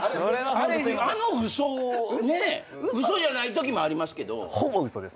あの嘘ね嘘じゃないときもありますけど。